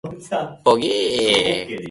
耳を傾けてわたしの言葉を聞いてください。